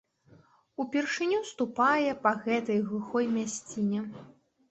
Упершыню ступае па гэтай глухой мясціне.